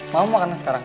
mau makannya sekarang